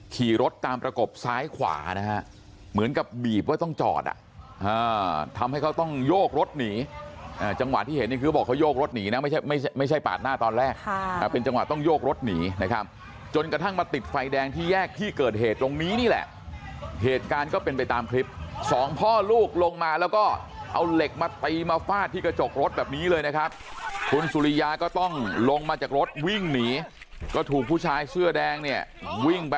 ขี่รถตามประกบซ้ายขวานะฮะเหมือนกับบีบว่าต้องจอดอ่ะอ่าทำให้เขาต้องโยกรถหนีอ่าจังหวะที่เห็นนี่คือบอกเขาโยกรถหนีนะไม่ใช่ไม่ใช่ไม่ใช่ปาดหน้าตอนแรกค่ะอ่าเป็นจังหวะต้องโยกรถหนีนะครับจนกระทั่งมาติดไฟแดงที่แยกที่เกิดเหตุตรงนี้นี่แหละเหตุการณ์ก็เป็นไปตามคลิปสองพ่อลูกลงมาแล้วก็เอาเห